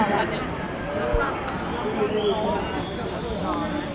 ขอบคุณครับ